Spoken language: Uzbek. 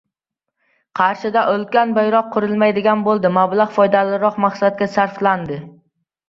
Qarshida ulkan bayroq qurilmaydigan bo‘ldi. Mablag‘ foydaliroq maqsadga sarflanadi